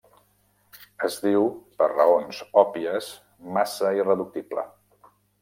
Es diu, per raons òbvies, massa irreductible.